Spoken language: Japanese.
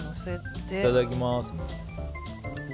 いただきます。